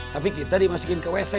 tapi kita dimasukin ke wc